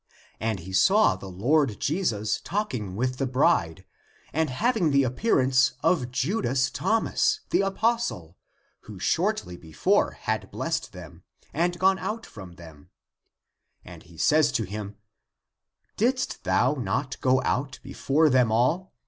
And he saw the Lord Jesus talk ing with the bride, and having the appearance of Judas Thomas, the apostle, who shortly before had blessed them, and gone out from them ; and he says to him, " Didst thou not go out before them all